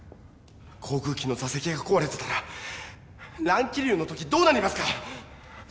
航空機の座席が壊れてたら乱気流のときどうなりますか？